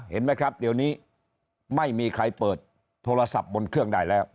เห็นไหมครับเดี๋ยวนี้ไม่มีใครเปิดโทรศัพท์บนเครื่องได้แล้ว